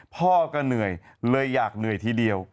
พ่อก็เหนื่อยเลยอยากเหนื่อยทีเดียว